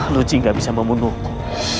luci nggak bisa membunuhku